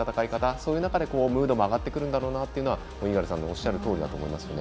そうした中でムードも上がってくるんだろうなというのは猪狩さんがおっしゃるとおりだと思いますね。